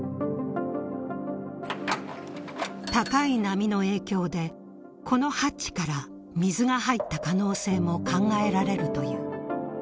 高い波の影響でこのハッチから水が入った可能性も考えられるという。